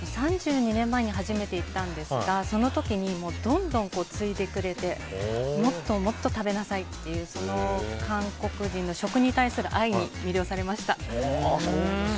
３２年前に初めて行ったんですが、その時にどんどんついでくれてもっともっと食べなさいっていうその韓国人の食に対する愛に魅了されました。